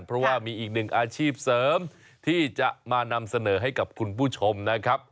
เพราะว่ามีอีกหนึ่งอาชีพเสริมที่จะมานำเสนอให้กับคุณผู้ชมนะครับ